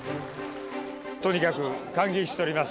とにかく感激しております。